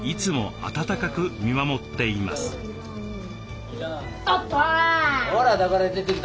あった！